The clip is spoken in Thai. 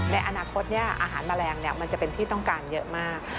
ในอนาคตอาหารแมลงมันจะเป็นที่ต้องการเยอะมาก